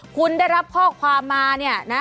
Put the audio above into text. คุณได้รับข้อความมาเนี่ยนะ